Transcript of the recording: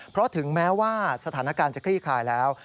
เพราะถึงแม้ว่าสถานการณ์จะคลี่คลายแล้ว